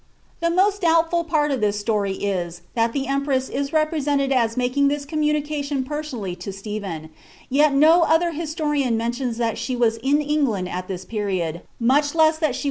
^ The moet doubtful part of this story is, that the empress is represented aa making this communication personally to Stephen, yet no other his torian mentions that she uras in England at this period, much less that ' Henry of Huntingdon.